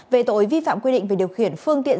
về tội vi phạm quy định về điều khiển phương tiện